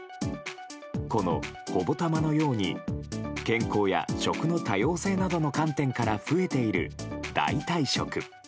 このＨＯＢＯＴＡＭＡのように健康や食の多様性などの観点から増えている代替食。